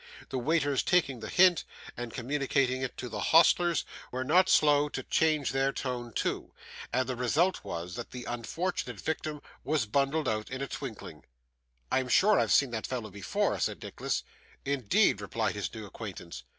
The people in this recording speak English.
The waiters taking the hint, and communicating it to the hostlers, were not slow to change their tone too, and the result was, that the unfortunate victim was bundled out in a twinkling. 'I am sure I have seen that fellow before,' said Nicholas. 'Indeed!' replied his new acquaintance.